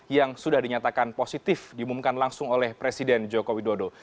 yang sudah dinyatakan positif diumumkan langsung oleh presiden joko widodo